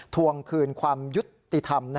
ทวงคืนความยุติธรรม